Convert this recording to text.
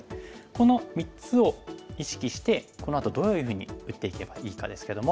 この３つを意識してこのあとどういうふうに打っていけばいいかですけども。